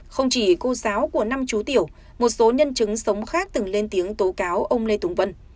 không chỉ cô giáo của năm chú tiểu một số nhân chứng sống khác từng lên tiếng tố cáo ông lê tùng vân